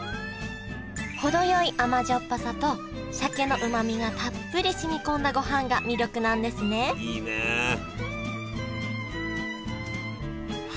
程よい甘じょっぱさと鮭のうまみがたっぷりしみこんだごはんが魅力なんですねは